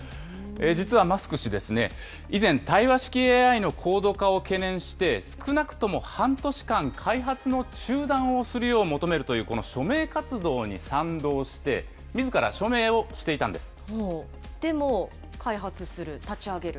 実はマスク氏ですね、以前、対話式ＡＩの高度化を懸念して、少なくとも半年間、開発の中断を求めるという、この署名活動に賛同して、でも開発する、立ち上げる？